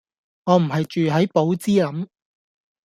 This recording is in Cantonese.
我唔係住係寶芝林